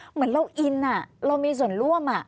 เหมือนเราอินเรามีส่วนร่วม